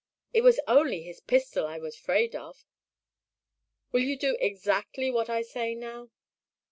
It was only his pistol I was 'fraid of." "Will you do exactly what I say now?"